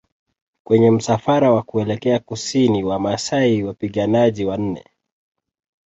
Kwenye msafara wa kuelekea Kusini Wamasai Wapiganaji wanne